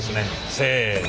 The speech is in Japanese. せの。